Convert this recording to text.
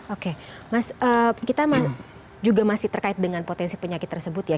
oke mas kita juga masih terkait dengan potensi penyakit tersebut ya